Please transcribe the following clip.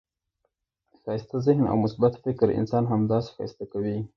ښایسته ذهن او مثبت فکر انسان همداسي ښایسته کوي.